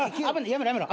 やめろやめろ。